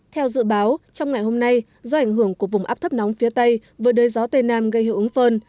theo dự báo trong ngày hôm nay do ảnh hưởng của vùng áp thấp nóng phía tây với đới gió tây nam gây hiệu ứng phơn